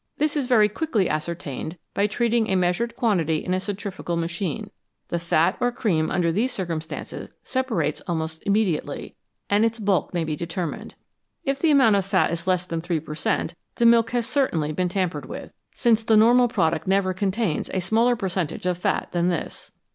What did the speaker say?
This is very quickly ascer tained by treating a measured quantity in a centrifugal machine ; the fat or cream under these circumstances separates almost immediately, and its bulk may be deter mined. If the amount of fat is less than 3 per cent., the milk has certainly been tampered with, since the normal product never contains a smaller percentage of fat than this.